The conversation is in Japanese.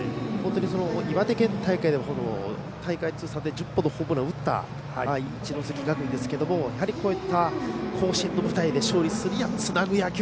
岩手県大会でも、大会通算で１０本のホームランを打った一関学院ですけどやはり、こういった甲子園の舞台で勝利するにはつなぐ野球。